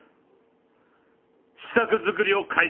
試作作りを開始する。